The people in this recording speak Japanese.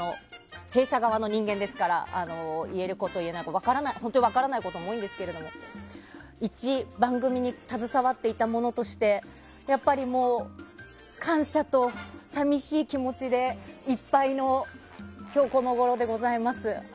弊社側の人間ですから言えること言えないこと分からないことも多いですが一番組に携わっていたものとしてやっぱり感謝とさみしい気持ちでいっぱいの今日このごろでございます。